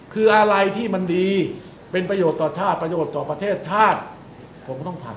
คืออะไรที่มันดีเป็นประโยชน์ต่อชาติประโยชน์ต่อประเทศชาติผมก็ต้องทำ